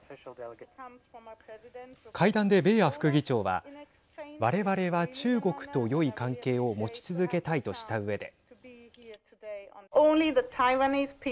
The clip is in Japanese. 会談で、ベーア副議長はわれわれは、中国とよい関係を持ち続けたいとしたうえで。